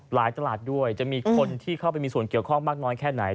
ตลาดด้วยจะมีคนที่เข้าไปมีส่วนเกี่ยวข้องมากน้อยแค่ไหน